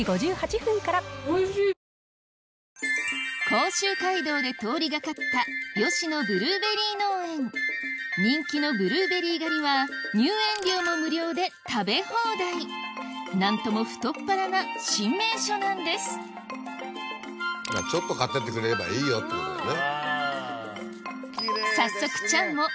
甲州街道で通り掛かった人気のブルーベリー狩りは入園料も無料で食べ放題何とも太っ腹な新名所なんですちょっと買ってってくれればいいよっていうことだね。